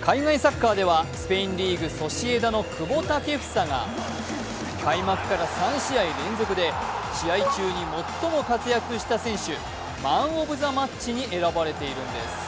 海外サッカーではスペインリーグ・ソシエダの久保建英が開幕から３試合連続で試合中に最も活躍した選手、マン・オブ・ザ・マッチに選ばれているのです。